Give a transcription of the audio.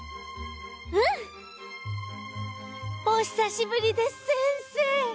うん！お久しぶりです先生！